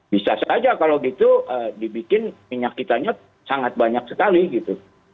bisa saja kalau gitu dibikin minyak kitanya sangat banyak sekali gitu